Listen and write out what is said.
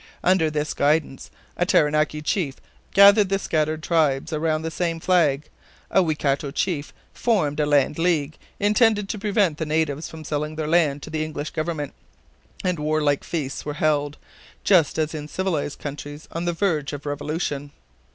Under this guidance a Taranaki chief gathered the scattered tribes around the same flag; a Waikato chief formed a 'Land League,' intended to prevent the natives from selling their land to the English Government, and warlike feasts were held just as in civilized countries on the verge of revolution.